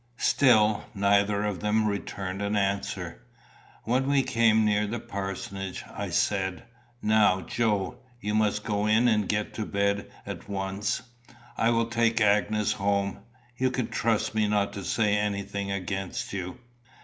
Still neither of them returned an answer. When we came near the parsonage, I said, "Now, Joe, you must go in and get to bed at once. I will take Agnes home. You can trust me not to say anything against you?"